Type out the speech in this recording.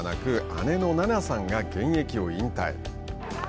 姉の菜那選手が現役を引退。